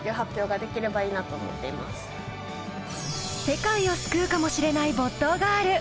世界を救うかもしれない没頭ガール。